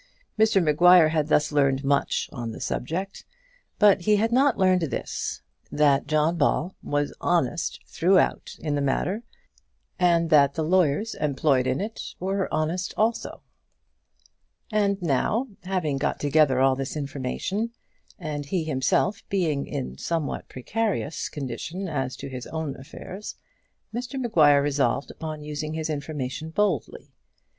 Mr Maguire had thus learned much on the subject; but he had not learned this: that John Ball was honest throughout in the matter, and that the lawyers employed in it were honest also. And now, having got together all this information, and he himself being in a somewhat precarious condition as to his own affairs, Mr Maguire resolved upon using his information boldly.